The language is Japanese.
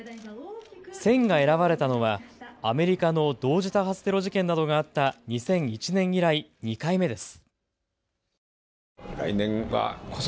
戦が選ばれたのはアメリカの同時多発テロ事件などがあった２００１年以来、２回目です。